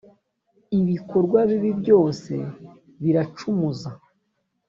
ibikorwa bibi byose biracumuza